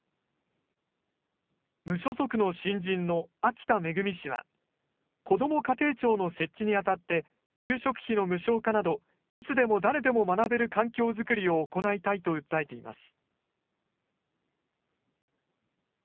無所属の新人の秋田恵氏は、こども家庭庁の設置にあたって給食費の無償化など、いつでも誰でも学べる環境づくりを行いたいと訴えています。